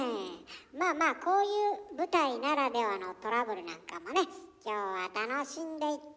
まあまあこういう舞台ならではのトラブルなんかもね今日は楽しんでいって下さい！